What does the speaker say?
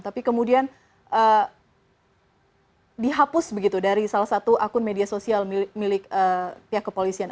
tapi kemudian dihapus begitu dari salah satu akun media sosial milik pihak kepolisian